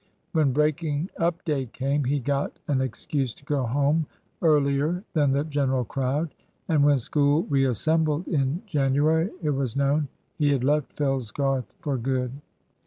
When breaking up day came, he got an excuse to go home earlier than the general crowd; and when School reassembled in January it was known he had left Fellsgarth for good.